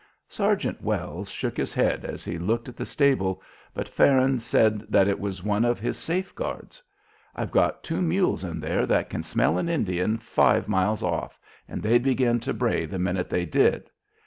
Sergeant Wells shook his head as he looked at the stable, but Farron said that it was one of his safe guards. "I've got two mules in there that can smell an Indian five miles off, and they'd begin to bray the minute they did.